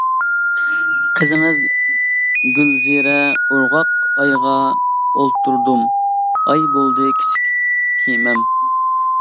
قىزىڭىز گۈلزىرە ئورغاق ئايغا ئولتۇردۇم، ئاي بولدى كىچىك كېمەم.